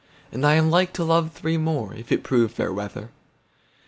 And am like to love three more, If it prove fair weather.